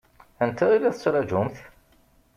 Anta i la tettṛaǧumt?